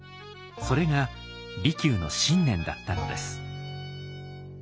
それが利休の信念だったのです。